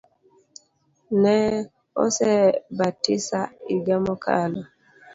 Ne osebatisa iga mokalo